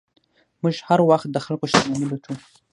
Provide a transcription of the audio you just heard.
موږ هر وخت د خلکو شتمنۍ لوټو.